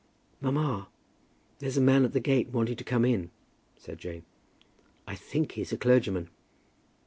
"Mamma, there's a man at the gate wanting to come in," said Jane. "I think he's a clergyman."